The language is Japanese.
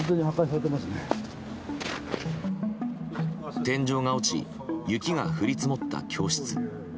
天井が落ち雪が降り積もった教室。